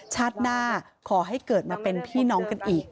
ชาติหน้าขอให้เกิดมาเป็นพี่น้องกันอีก